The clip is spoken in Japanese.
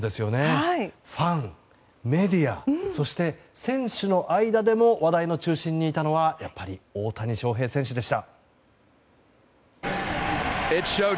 ファン、メディアそして選手の間でも話題の中心にいたのはやっぱり大谷翔平選手でした。